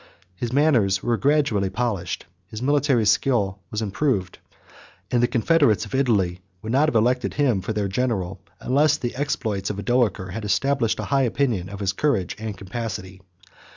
His manners were gradually polished, his military skill was improved, and the confederates of Italy would not have elected him for their general, unless the exploits of Odoacer had established a high opinion of his courage and capacity.